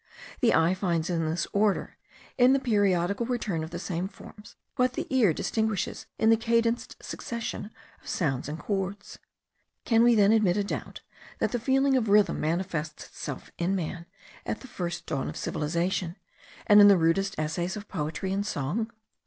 The eye finds in this order, in the periodical return of the same forms, what the ear distinguishes in the cadenced succession of sounds and concords. Can we then admit a doubt that the feeling of rhythm manifests itself in man at the first dawn of civilization, and in the rudest essays of poetry and song?